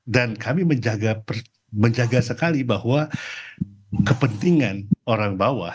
dan kami menjaga sekali bahwa kepentingan orang bawah